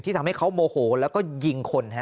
ที่ทำให้เขาโมโหแล้วก็ยิงคนครับ